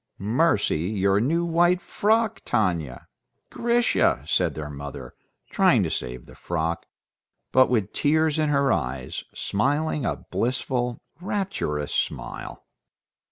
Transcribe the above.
"Mercy! Your new white frock! Tanya! Grisha!" said their mother, trying to save the frock, but with tears in her eyes, smiling a blissful, rapturous smile.